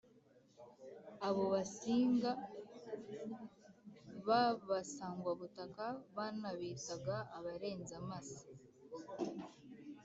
abo basinga b'abasangwabutaka banabitaga abarenzamase